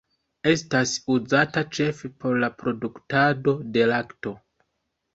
Estas uzata ĉefe por la produktado de lakto.